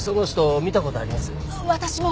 私も！